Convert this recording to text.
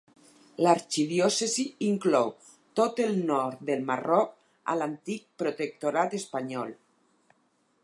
L'arxidiòcesi inclou tot el nord del Marroc a l'antic protectorat espanyol.